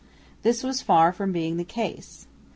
This was far from being the case.